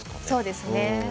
そうですね。